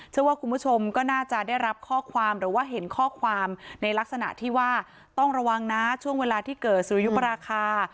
เชื่อว่าคุณผู้ชมก็น่าจะได้รับข้อความหรือว่าเห็นข้อความในลักษณะที่ว่าต้องระวังนะช่วงเวลาที่เกิดสุริยุปราคา